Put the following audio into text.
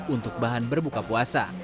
untuk bahan berbuka puasa